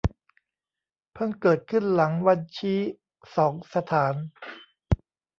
เพิ่งเกิดขึ้นหลังวันชี้สองสถาน